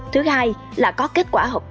thứ hai là có kết quả học tập